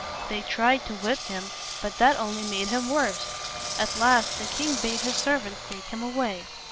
They tried to whip him, but that only made him worse. At last the king bade his servants take him away.